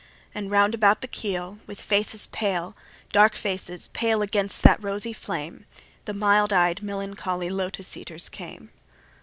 And round about the keel with faces pale, Dark faces pale against that rosy flame, The mild eyed melancholy Lotos eaters came.